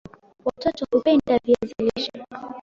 Watoto hupenda viazi lishe